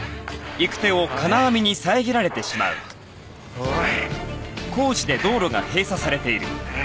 おい。